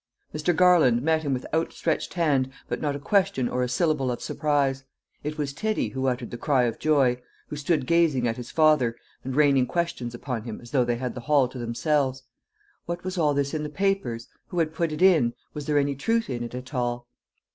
Mr. Garland met him with outstretched hand but not a question or a syllable of surprise; it was Teddy who uttered the cry of joy, who stood gazing at his father and raining questions upon him as though they had the hall to themselves. What was all this in the evening papers? Who had put it in? Was there any truth in it at all?